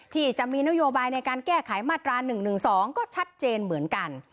ที่จะมีนโยบายในการแก้ไขมาตรา๑๑๒ก็ชัดเจนเหมือนกัน